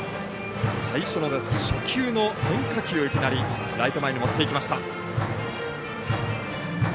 最初の打席、初球の変化球をいきなりライト前に持っていきました。